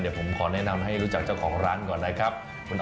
เดี๋ยวผมขอแนะนำให้รู้จักเจ้าของร้านก่อนนะครับ